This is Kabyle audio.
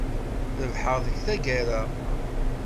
Rebḥeɣ deg tagara.